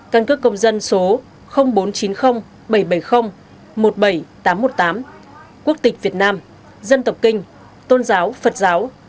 căn cước công dân số bốn chín không bảy bảy không một bảy tám một tám quốc tịch việt nam dân tộc kinh tôn giáo phật giáo